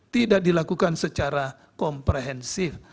tidak dilakukan secara komprehensif